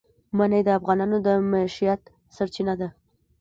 منی د افغانانو د معیشت سرچینه ده.